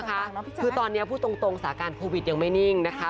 คือตอนนี้พูดตรงสาการโควิดยังไม่นิ่งนะคะ